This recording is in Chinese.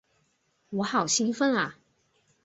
我好兴奋啊！